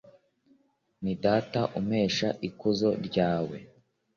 Ni Data umpesha ikuzo ryawe